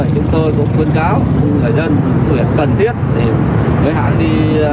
chúng tôi cũng quân cáo người dân cần thiết mới hẳn đi ra ngoài